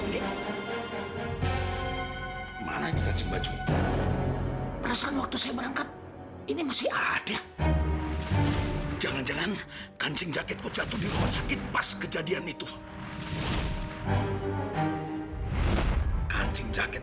gimana kalo aku buat oma gak pernah akan sadar lagi